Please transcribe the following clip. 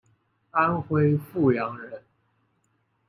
安徽阜阳人。